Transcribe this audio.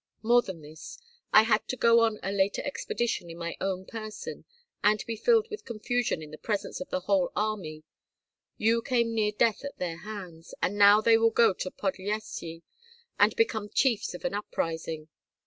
More than this, I had to go on a later expedition in my own person, and be filled with confusion in the presence of the whole army; you came near death at their hands, and now they will go to Podlyasye and become chiefs of an uprising.